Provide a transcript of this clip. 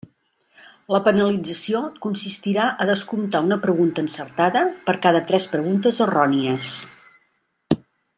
La penalització consistirà a descomptar una pregunta encertada per cada tres preguntes errònies.